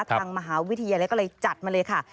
ทางมหาวิทยาลัยก็เลยจัดมาเลยค่ะ